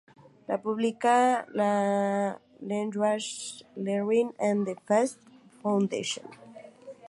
La publica la Language Learning and Testing Foundation.